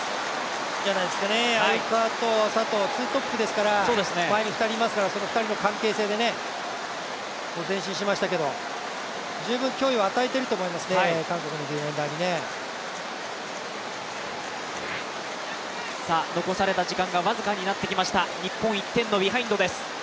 いいんじゃないですかね、鮎川と佐藤、ツートップですから前に２人いますから、その２人の関係性で前進しましたけど十分脅威を与えていると思いますね、韓国のディフェンダーにね。残された時間が僅かになってきました、日本１点のビハインドです。